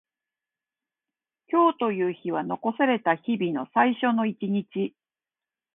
今日という日は残された日々の最初の一日。